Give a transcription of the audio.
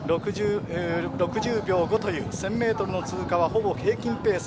６０秒５という１０００ｍの通過はほぼ平均ペース